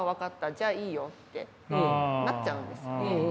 じゃあいいよ」ってなっちゃうんですよね。